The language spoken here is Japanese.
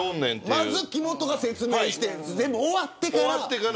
まず木本が説明して終わってから。